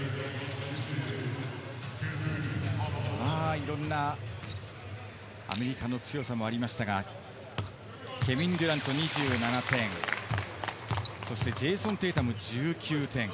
いろんなアメリカの強さもありましたが、ケビン・デュラント２７点、ジェイソン・テイタム、１９点。